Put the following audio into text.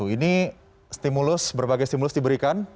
ini berbagai stimulus diberikan